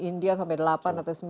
india sampai delapan atau